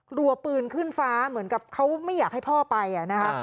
กลัวปืนขึ้นฟ้าเหมือนกับเขาไม่อยากให้พ่อไปนะคะ